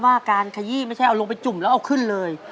ว่าการขยี้ไม่ใช่เอาลงไปจุ่มแล้วเอาขึ้นเลย